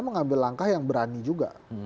mengambil langkah yang berani juga